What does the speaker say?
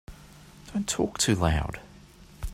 Don't talk too loud.